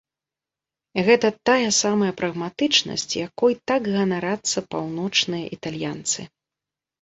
Гэта тая самая прагматычнасць, якой так ганарацца паўночныя італьянцы.